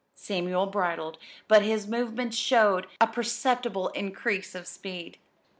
Samuel bridled, but his movements showed a perceptible increase of speed.